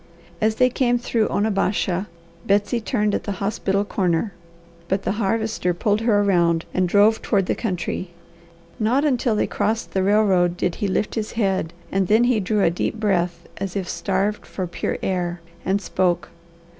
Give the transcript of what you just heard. As they came through Onabasha, Betsy turned at the hospital corner, but the Harvester pulled her around and drove toward the country. Not until they crossed the railroad did he lift his head and then he drew a deep breath as if starved for pure air and spoke.